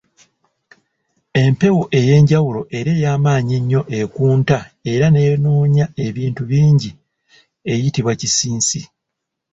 Empewo ey’enjawulo era ey’amaanyi ennyo ekunta era n’eyonoonya ebintu bingi eyitibwa Kisinsi.